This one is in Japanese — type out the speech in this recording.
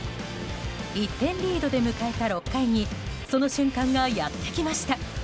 １点リードで迎えた６回にその瞬間はやってきました。